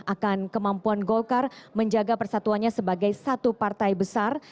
akan kemampuan golkar menjaga persatuannya sebagai satu partai besar